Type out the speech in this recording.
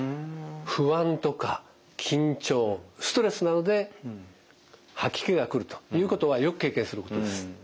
不安とか緊張ストレスなどで吐き気が来るということはよく経験することです。